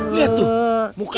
lihat tuh mukanya